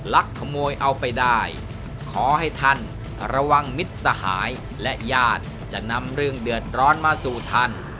ลักขโมยเอาไปได้ขอให้ท่านระวังมิตรสหายและญาติจะนำเรื่องเดือดร้อนมาสู่ท่าน